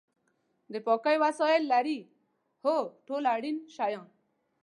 د پاکۍ وسایل لرئ؟ هو، ټول اړین شیان